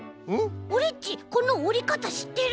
オレっちこのおりかたしってる！